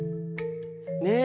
ねえ。